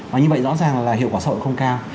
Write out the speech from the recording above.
và như vậy rõ ràng là hiệu quả xã hội không cao